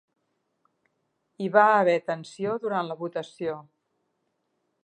Hi va haver tensió durant la votació